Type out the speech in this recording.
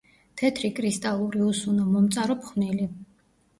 თეთრი კრისტალური, უსუნო, მომწარო ფხვნილი.